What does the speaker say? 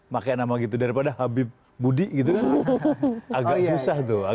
makanya nama gitu daripada habib budi gitu kan